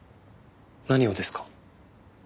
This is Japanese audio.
何をですか？